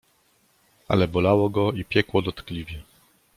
"Ale bolało go i piekło dotkliwie."